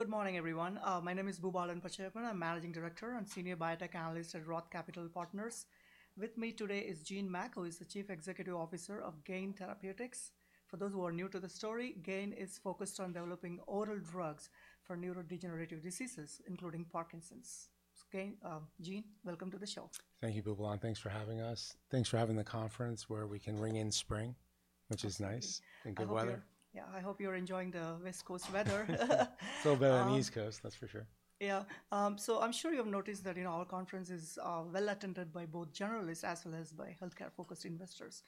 Good morning, everyone. My name is Boobalan Pachaiyappan. I'm Managing Director and Senior Biotech Analyst at ROTH Capital Partners. With me today is Gene Mack, who is the Chief Executive Officer of Gain Therapeutics. For those who are new to the story, Gain is focused on developing oral drugs for neurodegenerative diseases, including Parkinson's. Gene, welcome to the show. Thank you, Boobalan. Thanks for having us. Thanks for having the conference where we can ring in spring, which is nice and good weather. Yeah. I hope you're enjoying the West Coast weather. It's a little better on the East Coast, that's for sure. Yeah. I'm sure you have noticed that, you know, our conference is well-attended by both journalists as well as by healthcare-focused investors.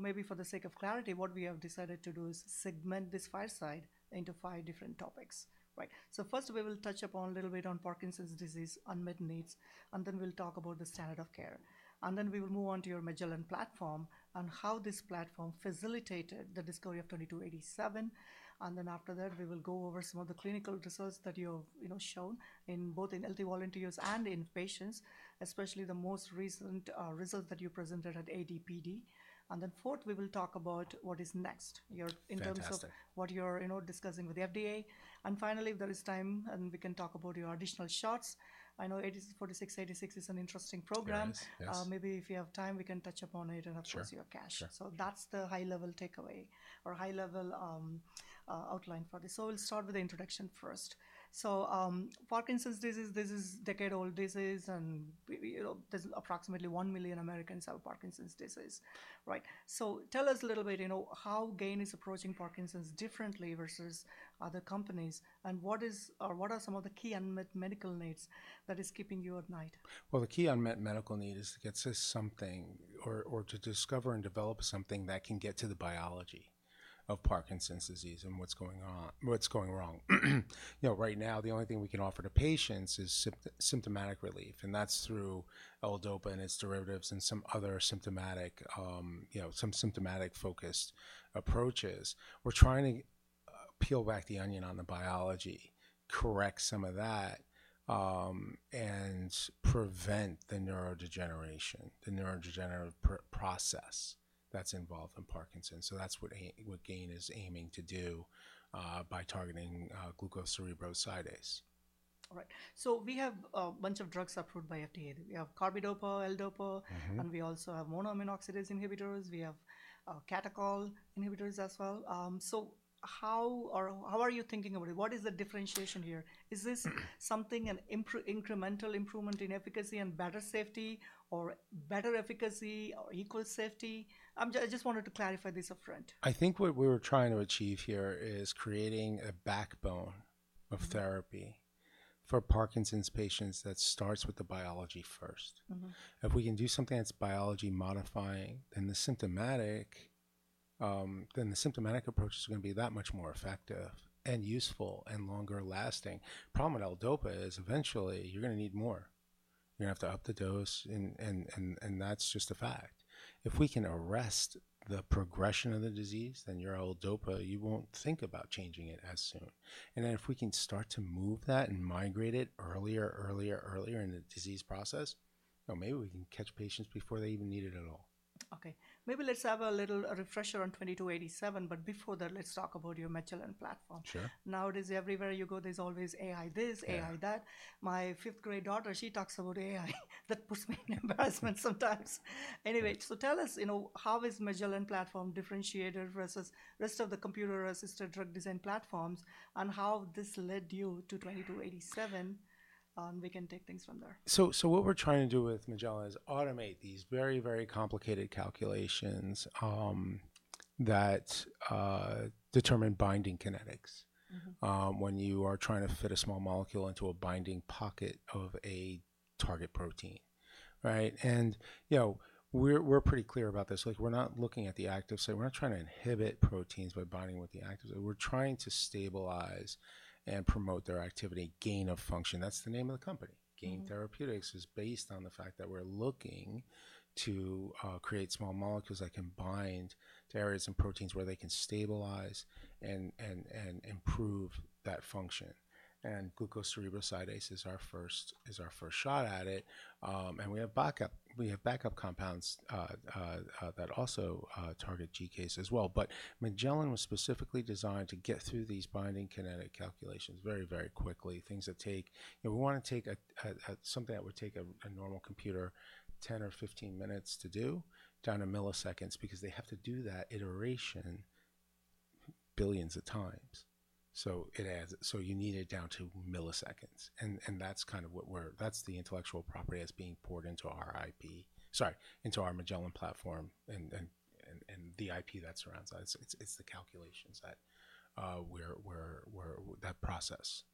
Maybe for the sake of clarity, what we have decided to do is segment this fireside into five different topics. Right. First, we will touch upon a little bit on Parkinson's disease, unmet needs, and then we'll talk about the standard of care. Then we will move on to your Magellan platform and how this platform facilitated the discovery of 02287. Then after that, we will go over some of the clinical results that you've, you know, shown in both in healthy volunteers and in patients, especially the most recent results that you presented at ADPD. Then fourth, we will talk about what is next. Fantastic. In terms of what you're, you know, discussing with the FDA. Finally, if there is time, we can talk about your additional shots. I know GT-04686 is an interesting program. It is, yes. Maybe if you have time, we can touch upon it. Sure. Of course, your cash. Sure. That's the high level takeaway or high level outline for this. We'll start with the introduction first. Parkinson's disease, this is a decade-old disease and you know, there's approximately one million Americans have Parkinson's disease. Right. Tell us a little bit, you know, how Gain is approaching Parkinson's differently versus other companies, and what are some of the key unmet medical needs that are keeping you up at night? Well, the key unmet medical need is to get to something or to discover and develop something that can get to the biology of Parkinson's disease and what's going on, what's going wrong. You know, right now, the only thing we can offer to patients is symptomatic relief, and that's through L-DOPA and its derivatives and some other symptomatic, you know, some symptomatic focused approaches. We're trying to peel back the onion on the biology, correct some of that, and prevent the neurodegeneration, the neurodegenerative process that's involved in Parkinson's. That's what Gain is aiming to do by targeting glucocerebrosidase. All right. We have a bunch of drugs approved by FDA. We have carbidopa, L-DOPA- Mm-hmm. We also have monoamine oxidase inhibitors. We have COMT inhibitors as well. How are you thinking about it? What is the differentiation here? Is this something an incremental improvement in efficacy and better safety or better efficacy or equal safety? I just wanted to clarify this upfront. I think what we were trying to achieve here is creating a backbone of therapy for Parkinson's patients that starts with the biology first. Mm-hmm. If we can do something that's disease modifying and symptomatic, then the symptomatic approach is gonna be that much more effective and useful and longer lasting. Problem with L-DOPA is eventually you're gonna need more. You're gonna have to up the dose and that's just a fact. If we can arrest the progression of the disease, then your L-DOPA, you won't think about changing it as soon. If we can start to move that and migrate it earlier in the disease process, you know, maybe we can catch patients before they even need it at all. Okay. Maybe let's have a little refresher on GT-02287, but before that, let's talk about your Magellan platform. Sure. Now it is everywhere you go, there's always AI. Yeah. AI that. My fifth grade daughter, she talks about AI that puts me in embarrassment sometimes. Anyway, tell us, you know, how is Magellan platform differentiated versus rest of the computer-assisted drug design platforms, and how this led you to GT-02287? We can take things from there. What we're trying to do with Magellan is automate these very complicated calculations that determine binding kinetics. Mm-hmm. When you are trying to fit a small molecule into a binding pocket of a target protein, right? You know, we're pretty clear about this. Like, we're not looking at the active site. We're not trying to inhibit proteins by binding with the active site. We're trying to stabilize and promote their activity, gain of function. That's the name of the company. Mm-hmm. Gain Therapeutics is based on the fact that we're looking to create small molecules that can bind to areas and proteins where they can stabilize and improve that function. Glucocerebrosidase is our first shot at it. We have backup compounds that also target GCase as well. But Magellan was specifically designed to get through these binding kinetic calculations very quickly. Things that take something that would take a normal computer 10 or 15 minutes to do, down to milliseconds, because they have to do that iteration billions of times. You need it down to milliseconds. That's the intellectual property that's being poured into our IP. Sorry, into our Magellan platform and the IP that surrounds that. It's the calculations that process.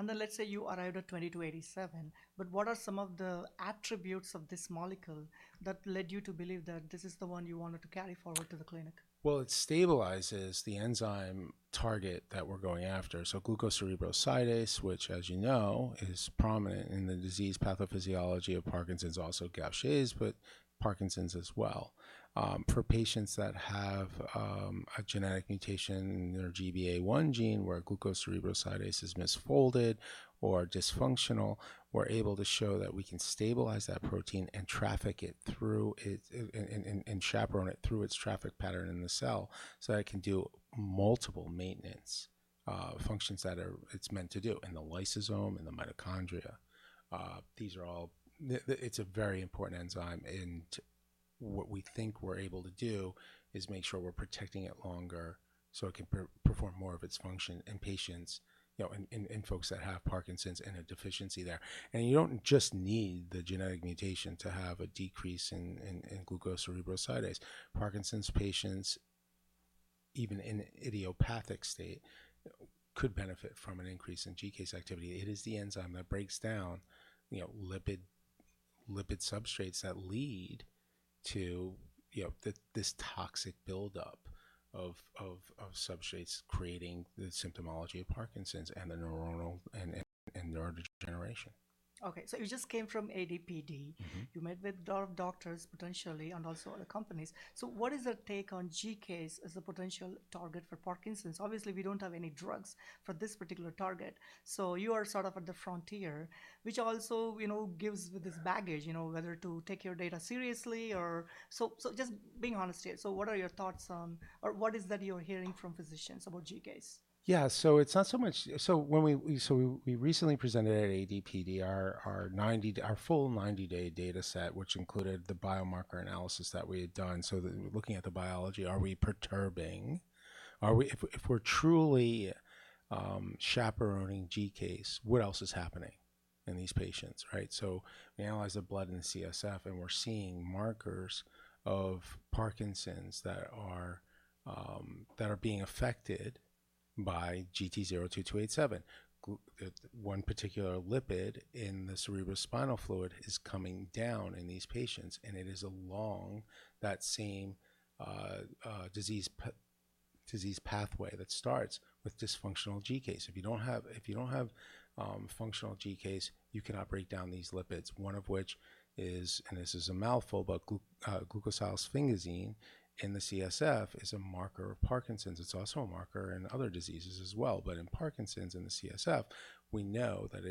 Let's say you arrived at GT-02287, but what are some of the attributes of this molecule that led you to believe that this is the one you wanted to carry forward to the clinic? Well, it stabilizes the enzyme target that we're going after. Glucocerebrosidase, which as you know, is prominent in the disease pathophysiology of Parkinson's, also Gaucher's, but Parkinson's as well. For patients that have a genetic mutation in their GBA1 gene where glucocerebrosidase is misfolded or dysfunctional, we're able to show that we can stabilize that protein and traffic it through it, and chaperone it through its traffic pattern in the cell. So that it can do multiple maintenance functions that it's meant to do in the lysosome, in the mitochondria. These are all. It's a very important enzyme and what we think we're able to do is make sure we're protecting it longer so it can perform more of its function in patients, you know, in folks that have Parkinson's and a deficiency there. You don't just need the genetic mutation to have a decrease in glucocerebrosidase. Parkinson's patients, even in idiopathic state, could benefit from an increase in GCase activity. It is the enzyme that breaks down, you know, lipid substrates that lead to, you know, this toxic buildup of substrates creating the symptomology of Parkinson's and the neuronal and neurodegeneration. Okay. You just came from ADPD. Mm-hmm. You met with a lot of doctors, potentially, and also other companies. What is the take on GCase as a potential target for Parkinson's? Obviously, we don't have any drugs for this particular target, so you are sort of at the frontier, which also, you know, gives this baggage, you know, whether to take your data seriously or, just being honest here. What are your thoughts on or what is that you're hearing from physicians about GCase? It's not so much. When we recently presented at ADPD our full 90-day data set, which included the biomarker analysis that we had done. Looking at the biology, are we perturbing? If we're truly chaperoning GCase, what else is happening in these patients, right? We analyze the blood in CSF, and we're seeing markers of Parkinson's that are being affected by GT-02287. One particular lipid in the cerebrospinal fluid is coming down in these patients, and it is along that same disease pathway that starts with dysfunctional GCase. If you don't have functional GCase, you cannot break down these lipids, one of which is, and this is a mouthful, but glucosylsphingosine in the CSF is a marker of Parkinson's. It's also a marker in other diseases as well. In Parkinson's, in the CSF, we know that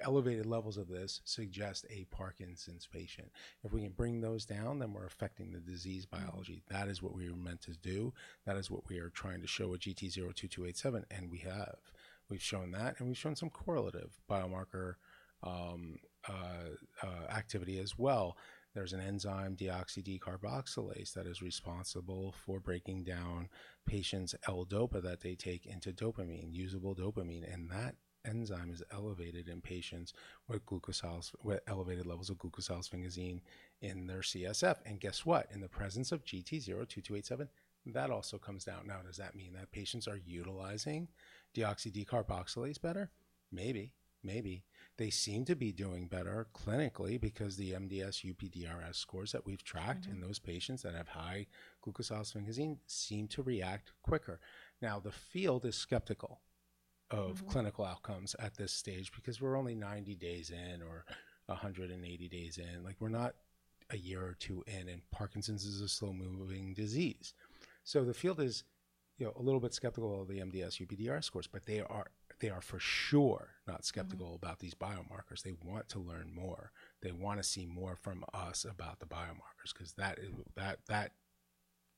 elevated levels of this suggest a Parkinson's patient. If we can bring those down, then we're affecting the disease biology. That is what we were meant to do. That is what we are trying to show at GT-02287, and we have. We've shown that, and we've shown some correlative biomarker activity as well. There's an enzyme, DOPA decarboxylase, that is responsible for breaking down patients' L-DOPA that they take into dopamine, usable dopamine, and that enzyme is elevated in patients with elevated levels of glucosylsphingosine in their CSF. Guess what? In the presence of GT-02287, that also comes down. Now, does that mean that patients are utilizing DOPA decarboxylase better? Maybe. They seem to be doing better clinically because the MDS-UPDRS scores that we've tracked in those patients that have high glucosylsphingosine seem to react quicker. Now, the field is skeptical. Mm-hmm Of clinical outcomes at this stage because we're only 90 days in or 180 days in. Like, we're not a year or two in, and Parkinson's is a slow-moving disease. The field is, you know, a little bit skeptical of the MDS-UPDRS scores, but they are for sure not skeptical about these biomarkers. They want to learn more. They wanna see more from us about the biomarkers 'cause that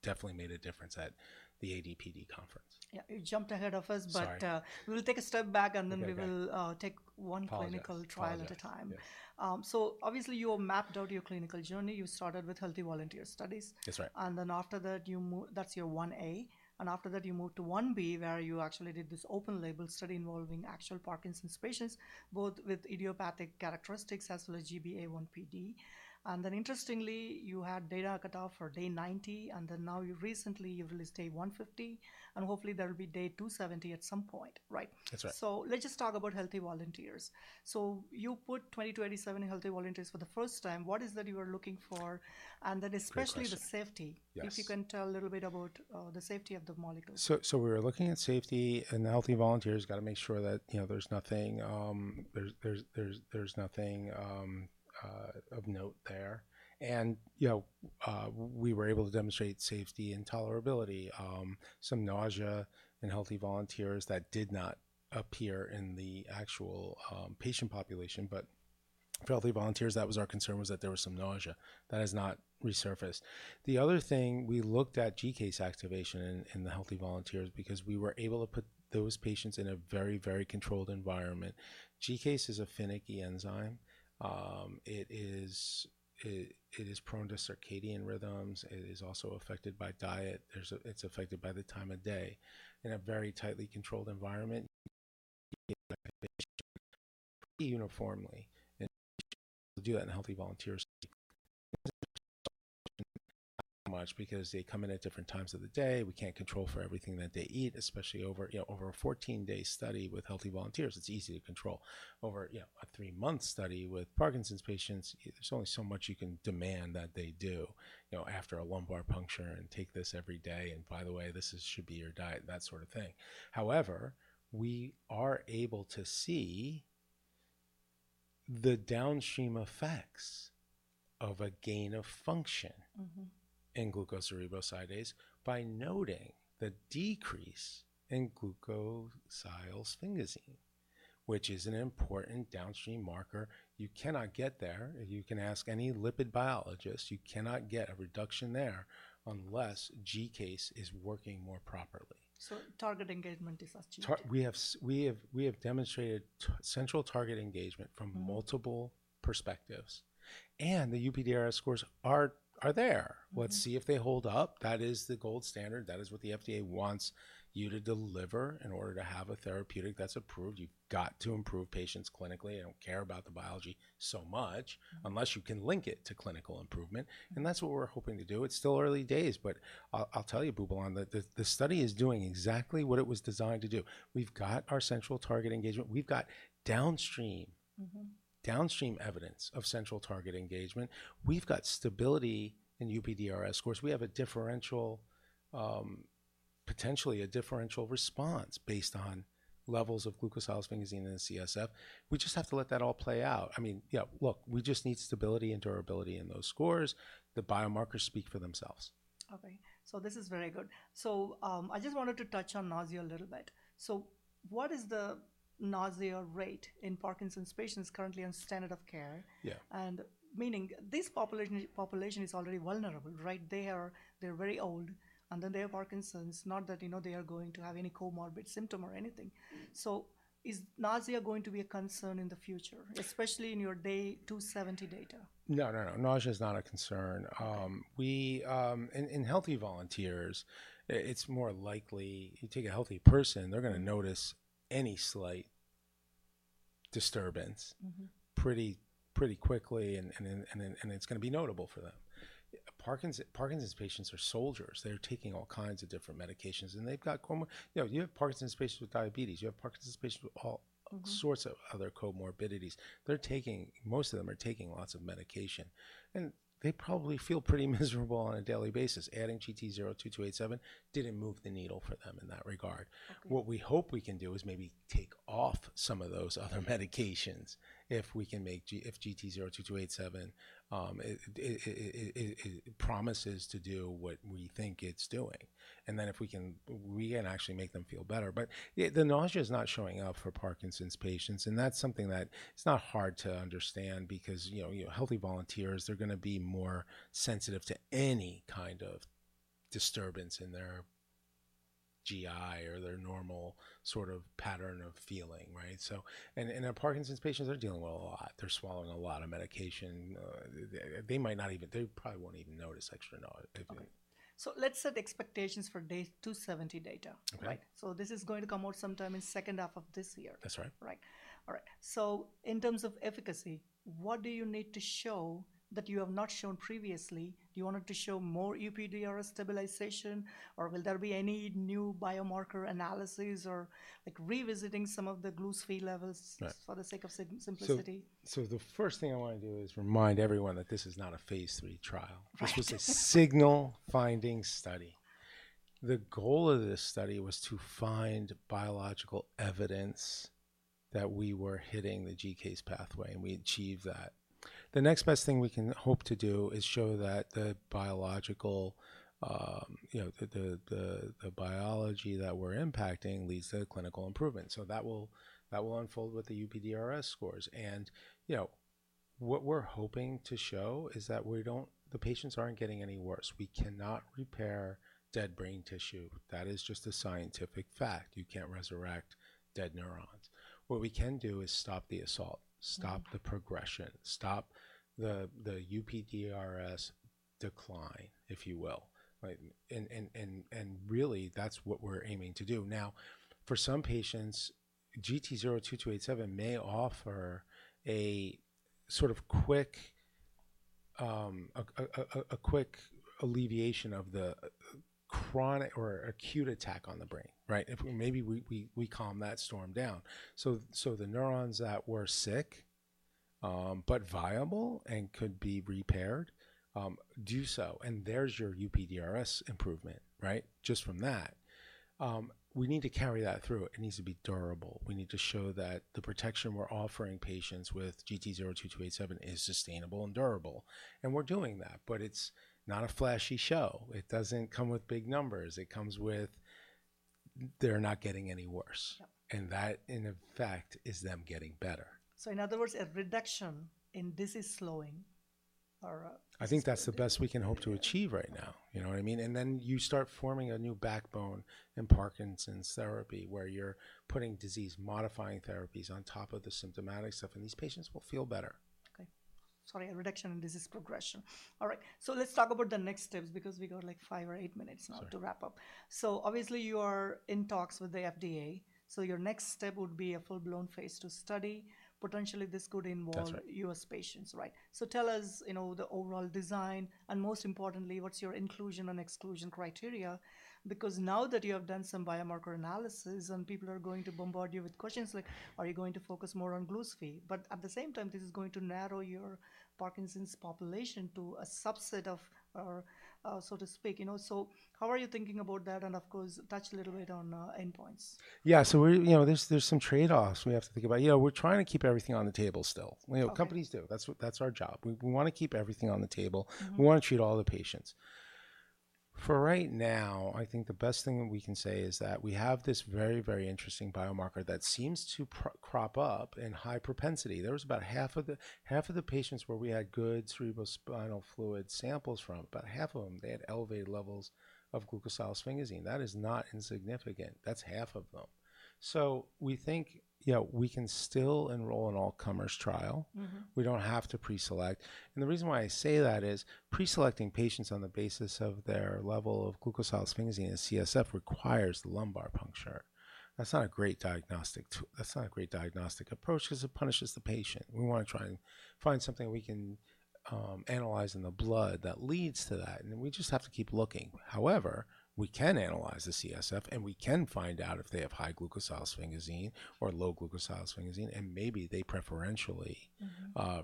definitely made a difference at the ADPD conference. Yeah. You jumped ahead of us, but- Sorry We'll take a step back and then we will. Okay, okay. Take one clinical Apologies. Trial at a time. Yeah. Obviously, you have mapped out your clinical journey. You started with healthy volunteer studies. That's right. After that's your I-A. After that, you moved to I-B, where you actually did this open label study involving actual Parkinson's patients, both with idiopathic characteristics as well as GBA1-PD. Interestingly, you had data cutoff for day 90, and then now you recently, you've released day 150, and hopefully there'll be day 270 at some point, right? That's right. Let's just talk about healthy volunteers. You put 20, 27 healthy volunteers for the first time. What is that you are looking for? Then especially. Good question. The safety. Yes. If you can tell a little bit about the safety of the molecule? We were looking at safety, and the healthy volunteers gotta make sure that, you know, there's nothing of note there. You know, we were able to demonstrate safety and tolerability. Some nausea in healthy volunteers that did not appear in the actual patient population. For healthy volunteers, that was our concern, was that there was some nausea. That has not resurfaced. The other thing, we looked at GCase activation in the healthy volunteers because we were able to put those patients in a very controlled environment. GCase is a finicky enzyme. It is prone to circadian rhythms. It is also affected by diet. It is affected by the time of day. In a very tightly controlled environment, uniformly. Do that in healthy volunteers, much because they come in at different times of the day. We can't control for everything that they eat, especially over, you know, over a 14-day study with healthy volunteers, it's easy to control. Over, you know, a three-month study with Parkinson's patients, there's only so much you can demand that they do, you know, after a lumbar puncture and take this every day, and by the way, this is should be your diet, that sort of thing. However, we are able to see the downstream effects of a gain of function. Mm-hmm In glucocerebrosidase by noting the decrease in glucosylsphingosine, which is an important downstream marker. You cannot get there, you can ask any lipid biologist, you cannot get a reduction there unless GCase is working more properly. Target engagement is achieved? We have demonstrated central target engagement from multiple perspectives, and the UPDRS scores are there. Mm-hmm. Let's see if they hold up. That is the gold standard. That is what the FDA wants you to deliver in order to have a therapeutic that's approved. You've got to improve patients clinically. I don't care about the biology so much unless you can link it to clinical improvement, and that's what we're hoping to do. It's still early days, but I'll tell you, Boobalan, the study is doing exactly what it was designed to do. We've got our central target engagement. We've got downstream. Mm-hmm Downstream evidence of central target engagement. We've got stability in UPDRS scores. We have a differential, potentially a differential response based on levels of glucosylsphingosine in the CSF. We just have to let that all play out. I mean, yeah, look, we just need stability and durability in those scores. The biomarkers speak for themselves. Okay. This is very good. I just wanted to touch on nausea a little bit. What is the nausea rate in Parkinson's patients currently on standard of care? Yeah. Meaning this population is already vulnerable, right? They are, they're very old, and then they have Parkinson's. Not that, you know, they are going to have any comorbid symptom or anything. Is nausea going to be a concern in the future, especially in your day 270 data? No, no. Nausea is not a concern. In healthy volunteers, it's more likely if you take a healthy person, they're gonna notice any slight disturbance. Mm-hmm... Pretty quickly and then it's gonna be notable for them. Parkinson's patients are soldiers. They're taking all kinds of different medications, and they've got. You know, you have Parkinson's patients with diabetes. You have Parkinson's patients with all sorts of other comorbidities. They're taking. Most of them are taking lots of medication, and they probably feel pretty miserable on a daily basis. Adding GT-02287 didn't move the needle for them in that regard. Okay. What we hope we can do is maybe take off some of those other medications if GT-02287 promises to do what we think it's doing. Then if we can, we can actually make them feel better. The nausea is not showing up for Parkinson's patients, and that's something that is not hard to understand because, you know, healthy volunteers, they're gonna be more sensitive to any kind of disturbance in their GI or their normal sort of pattern of feeling, right? Our Parkinson's patients are dealing with a lot. They're swallowing a lot of medication. They probably won't even notice extra nausea if they. Okay. Let's set expectations for day 270 data. Okay. Right? This is going to come out sometime in H2 of this year. That's right. Right. All right. In terms of efficacy, what do you need to show that you have not shown previously? Do you want it to show more UPDRS stabilization, or will there be any new biomarker analysis or, like, revisiting some of the glucosylsphingosine levels? Right. For the sake of simplicity? The first thing I wanna do is remind everyone that this is not a phase III trial. Right. This was a signal finding study. The goal of this study was to find biological evidence that we were hitting the GCase pathway, and we achieved that. The next best thing we can hope to do is show that the biological, you know, the biology that we're impacting leads to clinical improvement. That will unfold with the UPDRS scores. You know, what we're hoping to show is that the patients aren't getting any worse. We cannot repair dead brain tissue. That is just a scientific fact. You can't resurrect dead neurons. What we can do is stop the assault. Mm-hmm. Stop the progression. Stop the UPDRS decline, if you will, right? Really, that's what we're aiming to do. Now, for some patients, GT-02287 may offer a sort of quick alleviation of the chronic or acute attack on the brain, right? If we calm that storm down. The neurons that were sick, but viable and could be repaired, do so, and there's your UPDRS improvement, right? Just from that. We need to carry that through. It needs to be durable. We need to show that the protection we're offering patients with GT-02287 is sustainable and durable, and we're doing that, but it's not a flashy show. It doesn't come with big numbers. It comes with, they're not getting any worse. Yeah. That, in effect, is them getting better. In other words, a reduction in disease slowing. I think that's the best we can hope to achieve right now. You know what I mean? You start forming a new backbone in Parkinson's therapy, where you're putting disease modifying therapies on top of the symptomatic stuff, and these patients will feel better. Okay. Sorry, a reduction in disease progression. All right. Let's talk about the next steps because we got, like, five or eight minutes now. Sorry. To wrap up. Obviously you are in talks with the FDA. Your next step would be a full-blown phase II study. Potentially, this could involve. That's right. US patients, right. Tell us, you know, the overall design, and most importantly, what's your inclusion and exclusion criteria? Because now that you have done some biomarker analysis and people are going to bombard you with questions like, are you going to focus more on Gaucher's? At the same time, this is going to narrow your Parkinson's population to a subset of, or, so to speak, you know. How are you thinking about that? And of course, touch a little bit on endpoints. Yeah. You know, there's some trade-offs we have to think about. You know, we're trying to keep everything on the table still. Okay. You know, companies do. That's what. That's our job. We wanna keep everything on the table. Mm-hmm. We wanna treat all the patients. For right now, I think the best thing that we can say is that we have this very, very interesting biomarker that seems to crop up in high propensity. There was about half of the patients where we had good cerebrospinal fluid samples from, about half of them, they had elevated levels of glucosylsphingosine. That is not insignificant. That's half of them. We think, you know, we can still enroll an all-comers trial. Mm-hmm. We don't have to pre-select. The reason why I say that is pre-selecting patients on the basis of their level of glucosylsphingosine in CSF requires lumbar puncture. That's not a great diagnostic approach 'cause it punishes the patient. We wanna try and find something we can analyze in the blood that leads to that, and then we just have to keep looking. However, we can analyze the CSF, and we can find out if they have high glucosylsphingosine or low glucosylsphingosine, and maybe they preferentially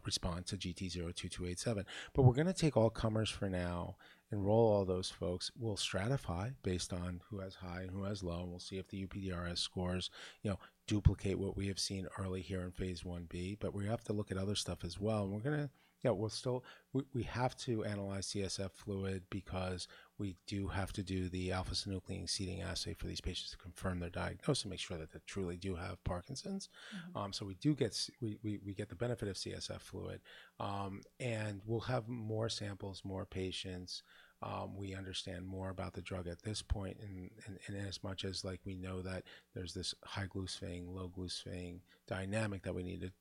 respond to GT-02287. We're gonna take all comers for now, enroll all those folks. We'll stratify based on who has high and who has low, and we'll see if the UPDRS scores, you know, duplicate what we have seen early here in phase I-B. We have to look at other stuff as well, and we have to analyze CSF fluid because we do have to do the alpha-synuclein seeding assay for these patients to confirm their diagnosis, to make sure that they truly do have Parkinson's. Mm-hmm. We get the benefit of CSF fluid. We'll have more samples, more patients. We understand more about the drug at this point and inasmuch as, like, we know that there's this high glucosylsphingosine, low glucosylsphingosine dynamic that we need to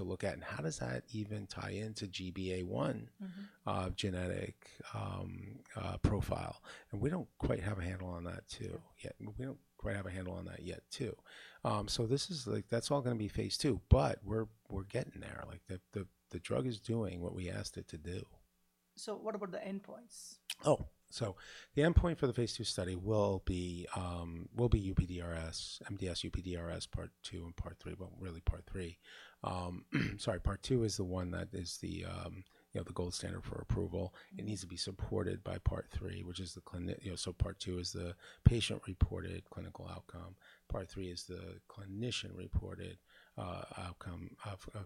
look at. How does that even tie into GBA1. Mm-hmm. Genetic profile? We don't quite have a handle on that yet, too. This is like, that's all gonna be phase II, but we're getting there. Like, the drug is doing what we asked it to do. What about the endpoints? The endpoint for the phase II study will be UPDRS, MDS-UPDRS part two and part three, but really part three. Sorry, part two is the one that is the, you know, the gold standard for approval. It needs to be supported by part three, which is the clinical. You know, part two is the patient-reported clinical outcome. Part three is the clinician-reported outcome,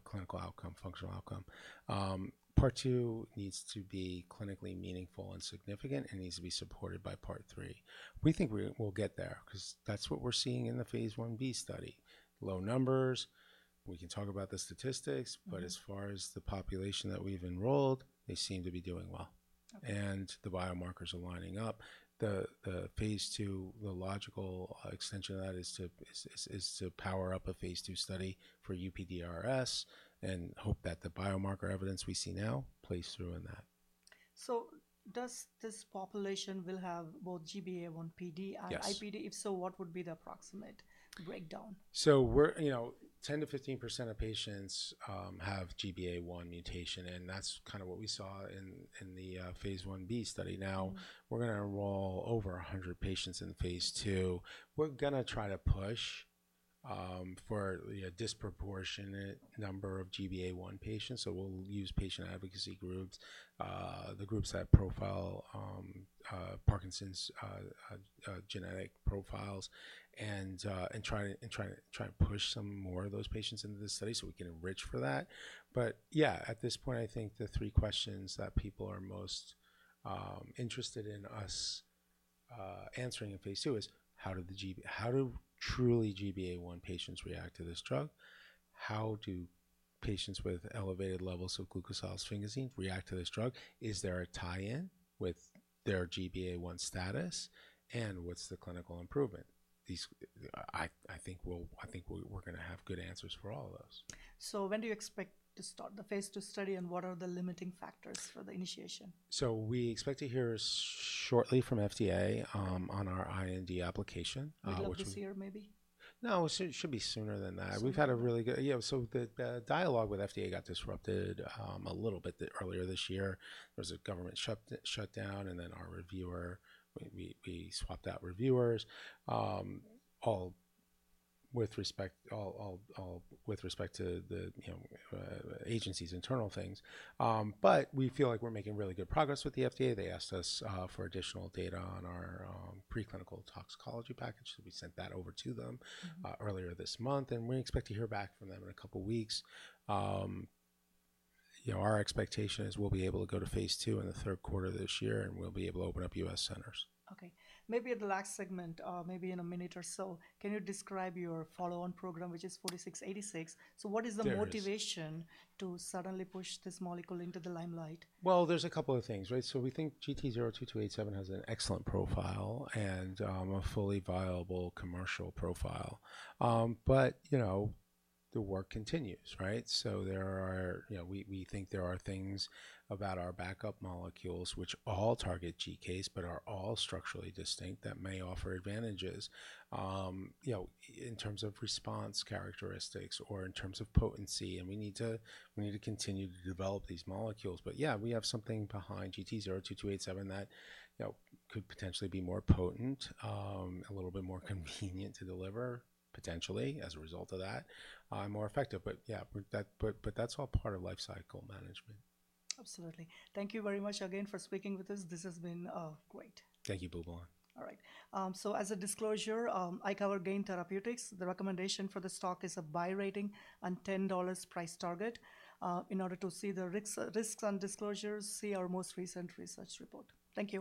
clinical outcome, functional outcome. Part two needs to be clinically meaningful and significant and needs to be supported by part three. We think we'll get there 'cause that's what we're seeing in the phase I-B study. Low numbers, we can talk about the statistics. Mm-hmm. As far as the population that we've enrolled, they seem to be doing well. Okay. The biomarkers are lining up. The phase II, the logical extension of that is to power up a phase II study for UPDRS and hope that the biomarker evidence we see now plays through in that. Does this population will have both GBA1-PD. Yes. And IPD? If so, what would be the approximate breakdown? We're, you know, 10%-15% of patients have GBA1 mutation, and that's kind of what we saw in the phase I-B study. Mm-hmm. Now we're gonna enroll over 100 patients in phase II. We're gonna try to push for a disproportionate number of GBA1 patients, so we'll use patient advocacy groups, the groups that profile Parkinson's genetic profiles and try to push some more of those patients into this study so we can enrich for that. But yeah, at this point, I think the three questions that people are most interested in us answering in phase II is How do truly GBA1 patients react to this drug. How do patients with elevated levels of glucosylsphingosine react to this drug. Is there a tie-in with their GBA1 status. And what's the clinical improvement. I think we're gonna have good answers for all of those. When do you expect to start the phase II study, and what are the limiting factors for the initiation? We expect to hear shortly from FDA on our IND application, which we- End of this year, maybe? No, it should be sooner than that. Sooner? We've had a really good dialogue with FDA got disrupted a little bit earlier this year. There was a government shutdown, and then our reviewer, we swapped out reviewers, all with respect to the agency's internal things, you know. We feel like we're making really good progress with the FDA. They asked us for additional data on our preclinical toxicology package, so we sent that over to them. Mm-hmm. Earlier this month, we expect to hear back from them in a couple weeks. You know, our expectation is we'll be able to go to phase II in the third quarter of this year, and we'll be able to open up US centers. Okay. Maybe at the last segment, maybe in a minute or so, can you describe your follow-on program, which is GT-04686? There is. What is the motivation to suddenly push this molecule into the limelight? Well, there's a couple of things, right? We think GT-02287 has an excellent profile and a fully viable commercial profile. You know, the work continues, right? There are, you know, we think there are things about our backup molecules which all target GCase but are all structurally distinct that may offer advantages, you know, in terms of response characteristics or in terms of potency, and we need to continue to develop these molecules. Yeah, we have something behind GT-02287 that, you know, could potentially be more potent, a little bit more convenient to deliver potentially as a result of that, more effective. Yeah, that's all part of life cycle management. Absolutely. Thank you very much again for speaking with us. This has been great. Thank you, Boobalan. All right. As a disclosure, I cover Gain Therapeutics. The recommendation for the stock is a buy rating and $10 price target. In order to see the risks and disclosures, see our most recent research report. Thank you.